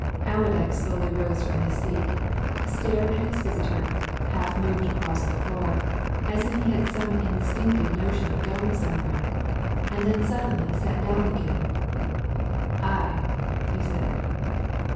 Allerdyke slowly rose from his seat, stared at his visitor, half moved across the floor, as if he had some instinctive notion of going somewhere and then suddenly sat down again. "Aye!" he said.